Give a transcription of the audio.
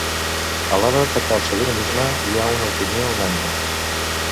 A l’hora d’atacar el sobiranisme hi ha una opinió unànime.